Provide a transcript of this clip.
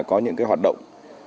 có những cái hoạt động